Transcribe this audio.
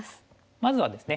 まずはですね